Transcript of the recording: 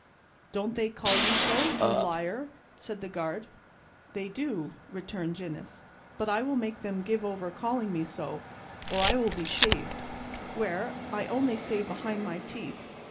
"Don't they call you so, you liar?" said the guard. "They do," returned Gines, "but I will make them give over calling me so, or I will be shaved, where, I only say behind my teeth.